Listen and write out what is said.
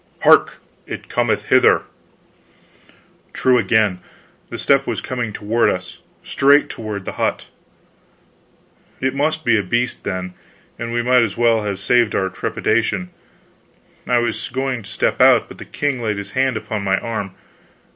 "Hark! It cometh hither." True again. The step was coming toward us straight toward the hut. It must be a beast, then, and we might as well have saved our trepidation. I was going to step out, but the king laid his hand upon my arm.